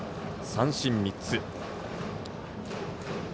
三振３つ。